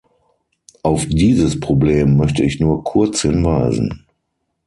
Auf dieses Problem möchte ich nur kurz hinweisen.